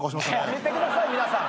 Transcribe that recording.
やめてください皆さん。